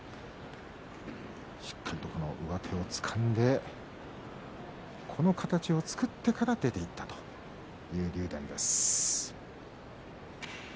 しっかりと上手をつかんでこの形を作ってから出ていったという竜電です。